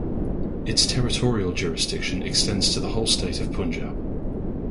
Its territorial jurisdiction extends to the whole State of Punjab.